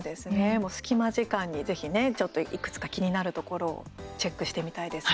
隙間時間に、ぜひいくつか気になるところをはい。